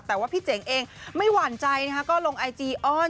แต่ว่าพี่เจ๋งเองไม่หวั่นใจนะคะก็ลงไอจีอ้อน